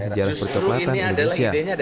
sejarah percoklatan di indonesia